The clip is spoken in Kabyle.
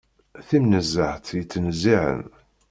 Timnezzeht yettnezzihen.